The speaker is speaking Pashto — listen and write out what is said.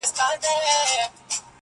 دا د پېړیو مزل مه ورانوی-